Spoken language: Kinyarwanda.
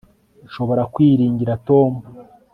nshobora kwiringira tom